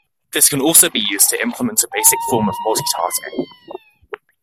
This can also be used to implement a basic form of multitasking.